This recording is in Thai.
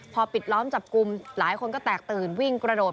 พอปิดล้อมจับกลุ่มหลายคนก็แตกตื่นวิ่งกระโดด